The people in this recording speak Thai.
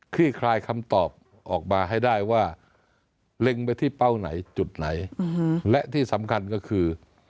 คลายคำตอบออกมาให้ได้ว่าเล็งไปที่เป้าไหนจุดไหนและที่สำคัญก็คือ